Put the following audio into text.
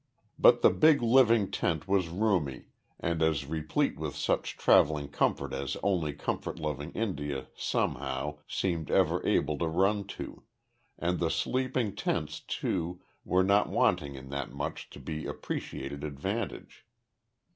But the big living tent was roomy, and as replete with such travelling comfort as only comfort loving India somehow, seemed ever able to run to: and the sleeping tents, too, were not wanting in that much to be appreciated advantage.